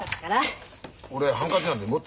俺ハンカチなんて持ってねえよ。